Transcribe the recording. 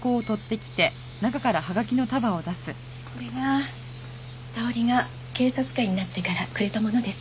これが沙織が警察官になってからくれたものです。